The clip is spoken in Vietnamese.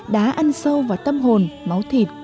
đã ăn sâu vào tâm hồn máu thịt